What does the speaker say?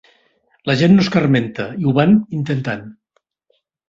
La gent no escarmenta i ho van intentant.